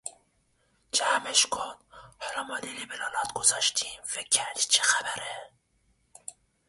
جمع اش کن، حالا ما لی لی به لالات گذاشتیم، فکر کردی چه خبره؟